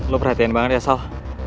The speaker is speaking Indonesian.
lo perhatiin banget ya sal